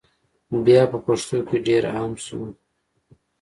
بیا په پښتنو کي ډېر عام سو